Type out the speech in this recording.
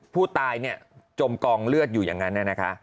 ผู้ตายเนี่ยจมกองเลือดอยู่อย่างนั้นนะคะ